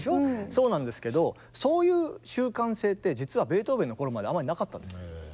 そうなんですけどそういう習慣性って実はベートーベンの頃まであまりなかったんです。